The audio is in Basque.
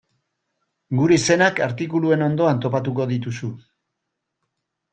Gure izenak artikuluen ondoan topatuko dituzu.